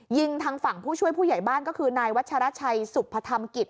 ยิงทางฝั่งผู้ช่วยผู้ใหญ่บ้านก็คือนายวัชรชัยสุพธรรมกิจ